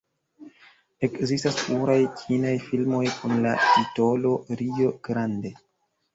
Ekzistas pluraj kinaj filmoj kun la titolo "Rio Grande".